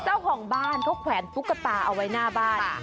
เจ้าของบ้านเขาแขวนตุ๊กตาเอาไว้หน้าบ้าน